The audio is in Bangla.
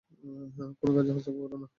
কোনো কাজে হস্তক্ষেপ কোরো না।